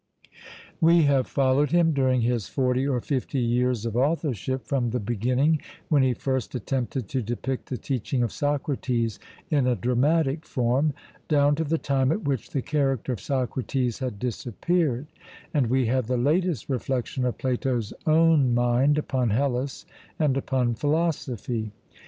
We have followed him during his forty or fifty years of authorship, from the beginning when he first attempted to depict the teaching of Socrates in a dramatic form, down to the time at which the character of Socrates had disappeared, and we have the latest reflections of Plato's own mind upon Hellas and upon philosophy.